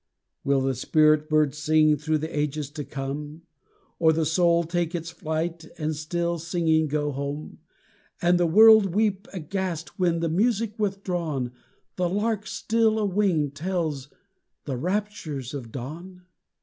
Will the spirit bird sing through the ages to come, Or the soul take its flight and, still singing, go home, And the world weep aghast when, the music withdrawn, The lark still a wing tells the rapture of dawn?